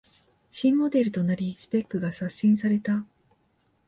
新モデルとなりスペックが刷新された